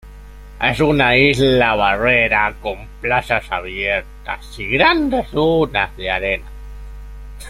Es una isla barrera con playas abiertas y grandes dunas de arena.